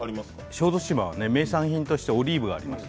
小豆島は名産品としてオリーブがあります。